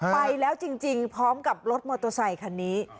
ไปแล้วจริงพร้อมกับรถมอเตอร์ไซคันนี้